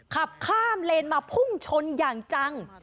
ขับข้ามเลนมาพุ่งชนอย่างจัง